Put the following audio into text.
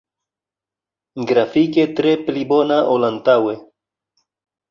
Grafike tre pli bona ol antaŭe.